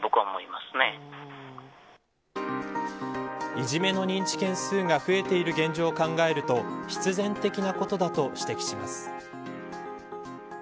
いじめの認知件数が増えている現状を考えると必然的なことだと指摘します。